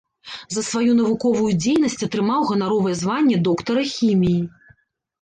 За сваю навуковую дзейнасць атрымаў ганаровае званне доктара хіміі.